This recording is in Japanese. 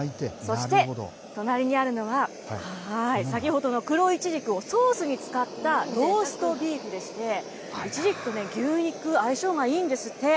そして隣にあるのは、先ほどの黒いちじくをソースに使ったローストビーフでして、いちじくと牛肉、相性がいいんですって。